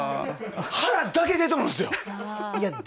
腹だけ出てるんですよ。